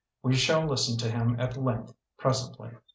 We shall listen to him at length presently.